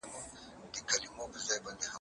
د ښار نظم باید وساتل شي.